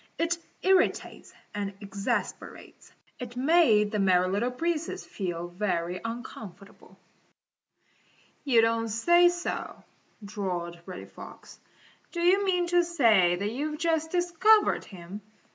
It irritates and exasperates. It made the Merry Little Breezes feel very uncomfortable. "You don't say so," drawled Reddy Fox. "Do you mean to say that you've just discovered him?